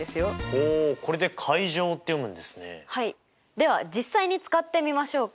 では実際に使ってみましょうか。